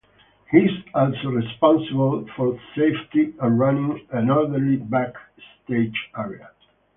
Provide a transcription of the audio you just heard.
He is also responsible for safety and running an orderly backstage area.